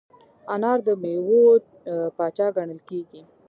انار د میوو پاچا ګڼل کېږي.